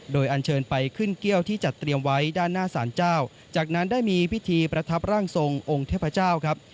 โดยอันเชิญไปขึ้นเกี้ยวที่จัดเตรียมไว้ด้านหน้าสารเจ้าจากนั้นได้มีพิธีประทับร่างทรงองค์เทพเจ้าครับ